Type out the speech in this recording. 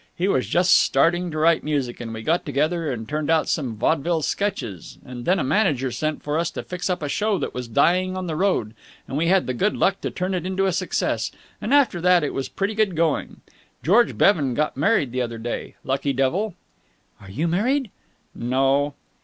He was just starting to write music, and we got together and turned out some vaudeville sketches, and then a manager sent for us to fix up a show that was dying on the road and we had the good luck to turn it into a success, and after that it was pretty good going. George Bevan got married the other day. Lucky devil!" "Are you married?" "No."